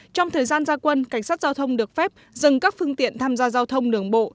trong thời gian gia quân cảnh sát giao thông được phép dừng các phương tiện tham gia giao thông đường bộ